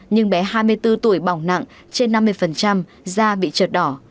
nhưng bé hai mươi bốn tuổi bỏng nặng trên năm mươi da bị trượt đỏ